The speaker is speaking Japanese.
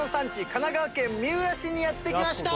神奈川県三浦市にやって来ました。